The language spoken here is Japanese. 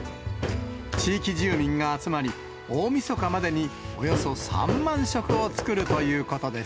地域住民が集まり、大みそかまでにおよそ３万食を作るということです。